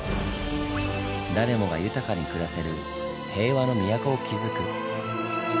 「誰もが豊かに暮らせる平和の都を築く」。